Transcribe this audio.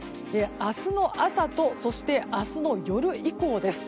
明日の朝とそして明日の夜以降です。